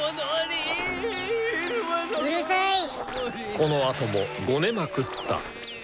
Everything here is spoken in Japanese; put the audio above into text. このあともごねまくった。